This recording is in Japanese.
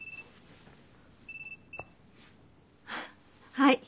はい。